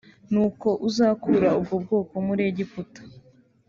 ni uko uzakura ubwo bwoko muri Egiputa